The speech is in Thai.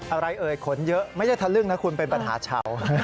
เอ่ยขนเยอะไม่ได้ทะลึ่งนะคุณเป็นปัญหาเฉา